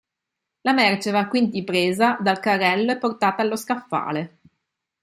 La merce va quindi presa dal carrello e portata allo scaffale.